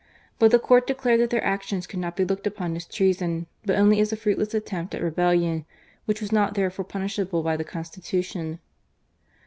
But the court declared that their actions could not be looked upon as treason, but only as a fruitless attempt at rebel lion, which was not therefore punishable by the Constitution.